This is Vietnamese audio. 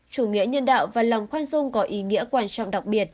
chủ nghĩa nhân đạo và lòng khoan dung có ý nghĩa quan trọng đặc biệt